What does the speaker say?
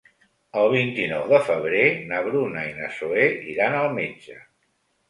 El vint-i-nou de febrer na Bruna i na Zoè iran al metge.